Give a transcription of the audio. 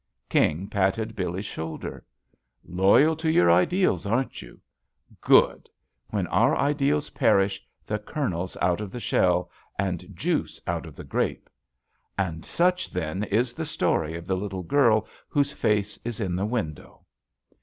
King patted Billee's shoulder. "Loyal to your ideals, aren't you ? Good I When our ideals perish, the kernel's out of the shell, the juice out of the grape I "And such, then, is the story of the little girl whose face is in the window."